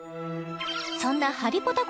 そんな「ハリポタ」